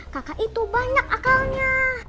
kakak itu banyak akalnya